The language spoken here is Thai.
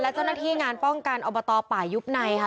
และเจ้าหน้าที่งานป้องกันอบตป่ายุบในค่ะ